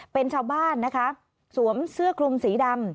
เป็นชาวบ้านนะคะสวมเสื้อคลุมสีดำ